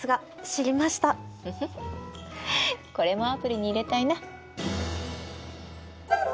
これもアプリに入れたいな！